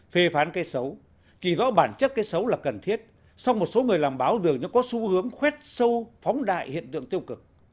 phê phán cây xấu kỳ rõ bản chất cây xấu là cần thiết song một số người làm báo dường như có xu hướng khuét sâu phóng đại hiện tượng tiêu cực